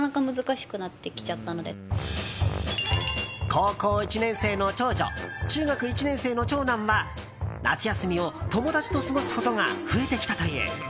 高校１年生の長女中学１年生の長男は夏休みを友達と過ごすことが増えてきたという。